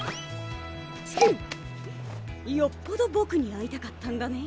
よっぽどボクに会いたかったんだね。